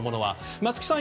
松木さん